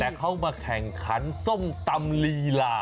แต่เขามาแข่งขันส้มตำลีลา